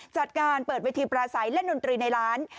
จัดการเปิดเวทีปราศัยเล่นดนตรีในร้าน